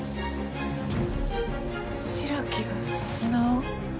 白木が砂を？